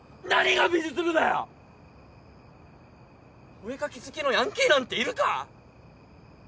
お絵描き好きのヤンキーなんているか！？